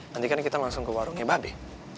nanti kan kita langsung ke warungnya babe